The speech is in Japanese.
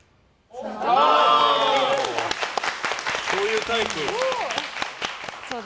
○、そういうタイプ。